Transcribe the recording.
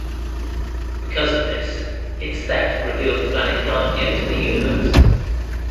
Because of this, its theft revealed Planet Guardia to the universe.